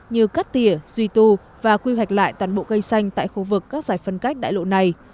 như cắt tỉa duy tu và quy hoạch lại toàn bộ cây xanh tại khu vực các giải phân cách đại lộ này